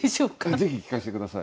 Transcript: ぜひ聞かせて下さい。